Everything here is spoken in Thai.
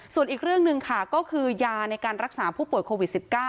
ส่วนอีกเรื่องหนึ่งค่ะก็คือยาในการรักษาผู้ป่วยโควิด๑๙